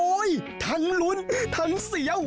โอ๊ยทั้งรุนทั้งเสี้ยว